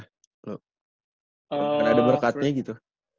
karena ada berkatnya gitu